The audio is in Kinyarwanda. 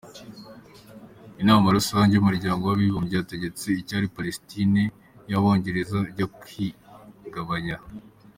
Inama rusange y’umuryango w’abibumbye yategetse icyari Palestine y’abongereza yakwigabanya.